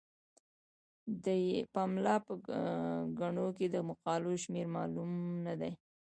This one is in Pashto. د پملا په ګڼو کې د مقالو شمیر معلوم نه وي.